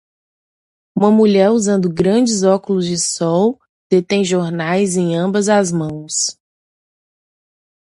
Uma mulher usando grandes óculos de sol detém jornais em ambas as mãos.